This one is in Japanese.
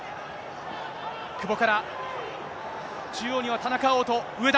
久保から中央には田中碧と、上田。